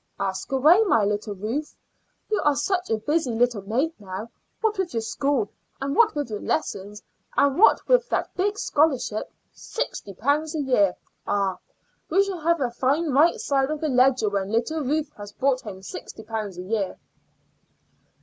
"Ask away, my little Ruth. You are such a busy little maid now, what with your school, and what with your lessons, and what with that big scholarship sixty pounds a year. Ah! we shall have a fine right side of the ledger when little Ruth has brought home sixty pounds a year."